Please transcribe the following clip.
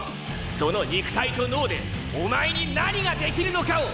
その肉体と脳でお前に何ができるのかを！